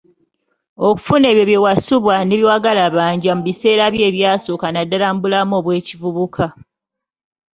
Okufuna ebyo bye wasubwa ne byewagalabanja mu biseera byo ebyasooka naddala mu bulamu bw'ekivubuka.